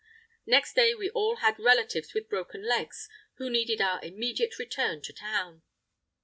Next day we all had relatives with broken legs, who needed our immediate return to town.